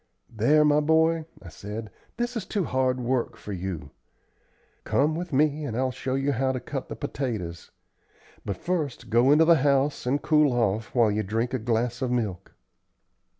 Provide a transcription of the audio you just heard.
"There, my boy," I said, "this is too hard work for you. Come with me and I'll show you how to cut the potatoes. But first go into the house, and cool off while you drink a glass of milk."